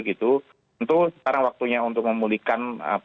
tentu sekarang waktunya untuk memulihkan